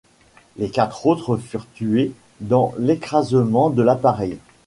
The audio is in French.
Les quatre autres furent tués dans l'écrasement de l'appareil.